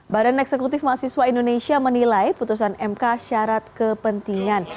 badan eksekutif mahasiswa indonesia menilai putusan mk syarat kepentingan